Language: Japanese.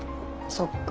そっか。